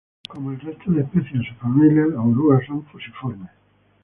Como el resto de especies de su familia las orugas son fusiformes.